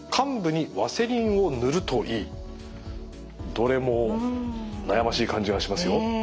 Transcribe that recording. どれも悩ましい感じがしますよ。